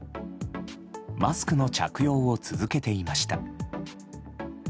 マスクの着用を続けていました。